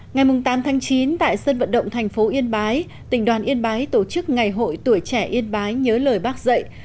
ngày tám tháng chín tại sân vận động thành phố yên bái tỉnh đoàn yên bái tổ chức ngày hội tuổi trẻ yên bái nhớ lời bác dạy